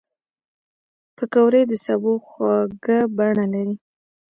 پکورې د سبو خواږه بڼه لري